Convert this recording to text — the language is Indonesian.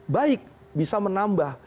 baik bisa menambah